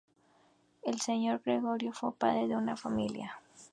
El señor Gregorio fue un gran padre de familia